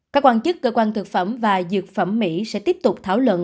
các quan chức cơ quan thực phẩm và dược phẩm mỹ sẽ tiếp tục thảo luận